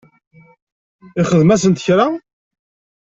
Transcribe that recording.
Ixdem-asent kra?